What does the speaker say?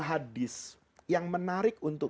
hadis yang menarik untuk